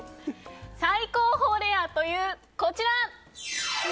最高峰レアというこちら。